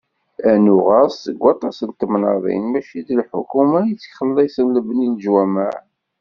Rnu ɣer-s, deg waṭas n temnaḍin, mačči d lḥukuma i yettxellisen lebni n leǧwamaɛ.